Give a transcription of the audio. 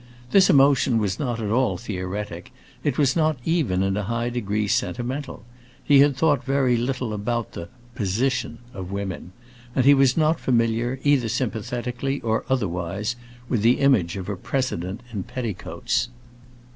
This emotion was not at all theoretic, it was not even in a high degree sentimental; he had thought very little about the "position" of women, and he was not familiar either sympathetically or otherwise, with the image of a President in petticoats.